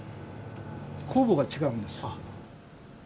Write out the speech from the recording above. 酵母が違うんです。